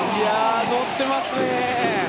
乗ってますね。